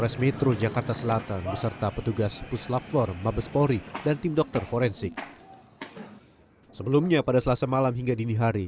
sebelumnya pada selasa malam hingga dini hari